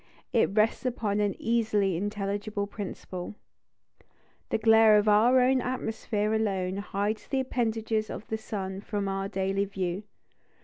It rests upon an easily intelligible principle. The glare of our own atmosphere alone hides the appendages of the sun from our daily view.